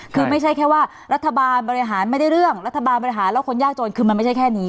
คือไม่ใช่แค่ว่ารัฐบาลบริหารไม่ได้เรื่องรัฐบาลบริหารแล้วคนยากจนคือมันไม่ใช่แค่นี้